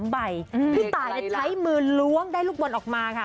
ใบพี่ตายใช้มือล้วงได้ลูกบอลออกมาค่ะ